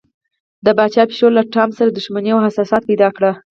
د پاچا پیشو له ټام سره دښمني او حسادت پیدا کړ.